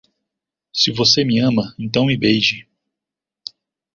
Se você me ama, então me beije